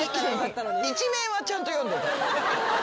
一面はちゃんと読んでた。